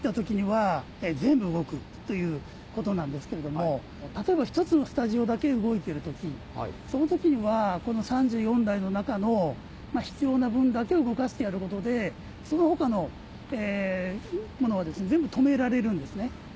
全部動くということなんですけれども例えば１つのスタジオだけ動いてる時その時にはこの３４台の中の必要な分だけ動かしてやることでその他のものは全部止められるんですね。